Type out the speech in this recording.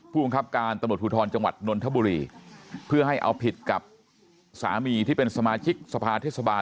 ผู้บังคับการตำรวจภูทรจังหวัดนนทบุรีเพื่อให้เอาผิดกับสามีที่เป็นสมาชิกสภาเทศบาล